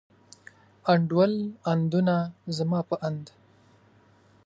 انډول، اندونه، زما په اند.